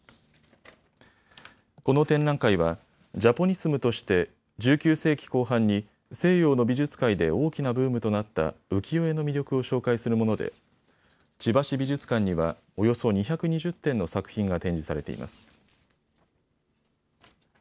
この展覧会はジャポニスムとして１９世紀後半に西洋の美術界で大きなブームとなった浮世絵の魅力を紹介するもので千葉市美術館にはおよそ２２０点の作品が展示されています。